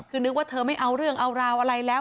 คือนึกว่าเธอไม่เอาเรื่องเอาราวอะไรแล้ว